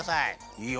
いいよ。